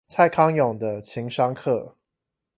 蔡康永的情商課